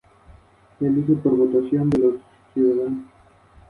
Asimismo, en esta cuadra existen varias tiendas de souvenirs y artesanías.